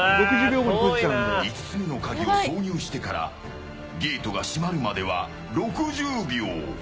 ５つ目のカギを挿入してからゲートが閉まるまでは６０秒。